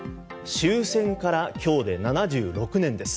終戦から今日で７６年です。